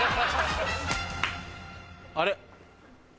あれ？